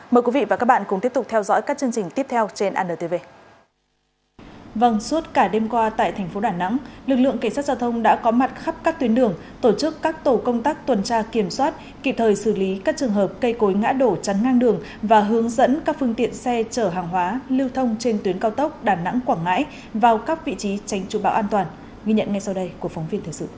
mời quý vị và các bạn cùng tiếp tục theo dõi các chương trình tiếp theo trên anntv